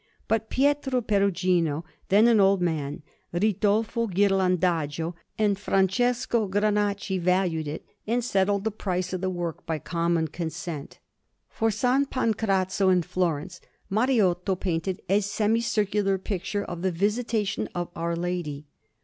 But Pietro Perugino, then an old man, Ridolfo Ghirlandajo, and Francesco Granacci valued it, and settled the price of the work by common consent. For S. Pancrazio, in Florence, Mariotto painted a semicircular picture of the Visitation of Our Lady.